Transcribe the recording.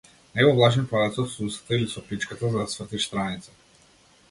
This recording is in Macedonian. Не го влажни палецот со устата или со пичката за да свртиш страница.